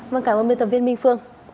vâng cảm ơn biên tập viên minh phương